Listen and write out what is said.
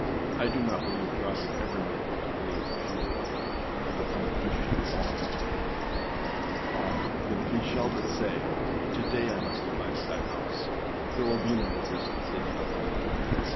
com âI do not believe God would ever make me to believe as you believe, or become a Christian at all.â Ah! but if he shall but say, âTo day I must abide at thy house,â there will be no resistance in you.